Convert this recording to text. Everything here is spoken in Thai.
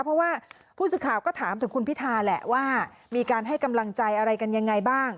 เพราะว่าผู้สื่อข่าวก็ถามถึงคุณพิธาแหละว่ามีการให้กำลังใจอะไรกันยังไงบ้าง